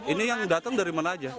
ini yang datang dari mana aja